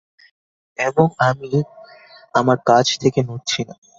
এবং আমি আমার কাজ থেকে নড়ছি না।